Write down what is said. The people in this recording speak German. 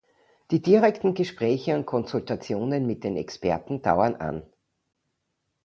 Die direkten Gespräche und Konsultationen mit den Experten dauern an.